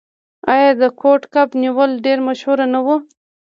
آیا د کوډ کب نیول ډیر مشهور نه و؟